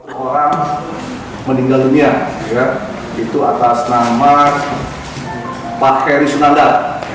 korban meninggal dunia itu atas nama pak heri sunandar